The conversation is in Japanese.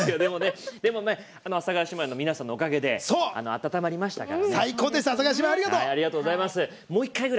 阿佐ヶ谷姉妹の皆さんのおかげで温まりましたから。